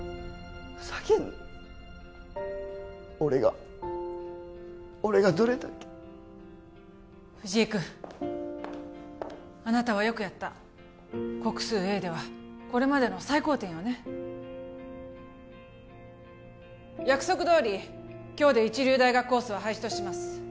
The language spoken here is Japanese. ふざけんな俺が俺がどれだけ藤井君あなたはよくやった国数英ではこれまでの最高点よね約束どおり今日で一流大学コースは廃止とします